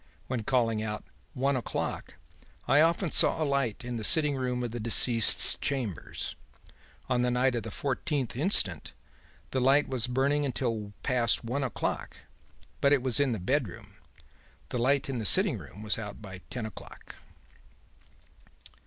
When calling out "one o'clock" I often saw a light in the sitting room of the deceased's chambers. On the night of the fourteenth instant, the light was burning until past one o'clock, but it was in the bedroom. The light in the sitting room was out by ten o'clock.'